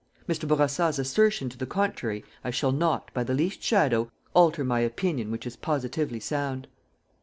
Mr. Bourassa's assertion to the contrary, I shall not, by the least shadow, alter my opinion which is positively sound.